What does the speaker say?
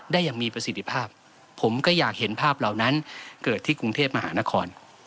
อย่างมีประสิทธิภาพผมก็อยากเห็นภาพเหล่านั้นเกิดที่กรุงเทพมหานคร